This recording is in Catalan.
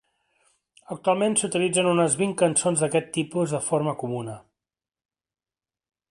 Actualment s"utilitzen unes vint cançons d"aquest tipus de forma comuna.